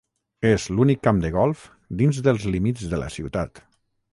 És l'únic camp de golf dins dels límits de la ciutat.